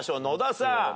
野田さん。